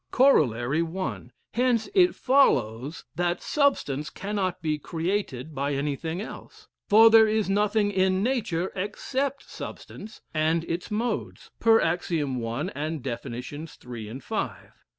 Corollary 1. Hence it follows that substance cannot be created by anything else. For there is nothing in nature except substance and its modes (per axiom one, and def. three and five.)